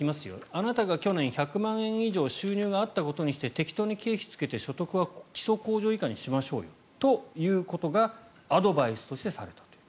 あなたが去年１００万円以上収入があったことにして適当に経費をつけて所得は基礎控除以下にしましょうよということがアドバイスとしてされたと。